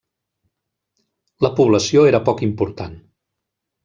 La població era poc important.